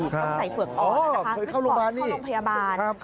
ก็ใส่เผลออ่อนคือเข้าโรงพยาบาล